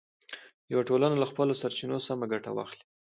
یوه ټولنه له خپلو سرچینو سمه ګټه واخلي.